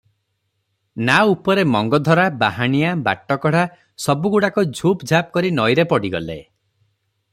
ନାଆ ଉପରେ ମଙ୍ଗଧରା, ବାହାଣିଆ, ବାଟକଢ଼ା, ସବୁଗୁଡାକ ଝୁପ୍ ଝାପ୍ କରି ନଈରେ ପଡିଗଲେ ।